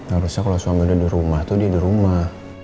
harusnya kalau suami udah di rumah tuh dia di rumah